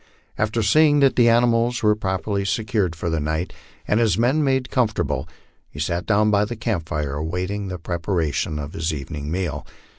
After seeing that the animals were properly secured for the night, and his men made comfortable, he sat down by the camp fire awaiting the pre paration of his evening meal.